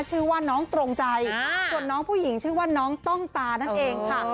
ชื่อว่าน้องตรงใจส่วนน้องผู้หญิงชื่อว่าน้องต้องตานั่นเองค่ะ